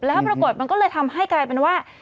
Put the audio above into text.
แล้วปรากฏมันก็เลยทำให้กลายเป็นว่า